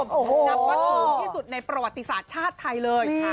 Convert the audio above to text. นับว่าถูกที่สุดในประวัติศาสตร์ชาติไทยเลย